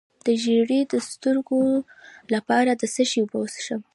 د زیړي د سترګو لپاره د څه شي اوبه وڅښم؟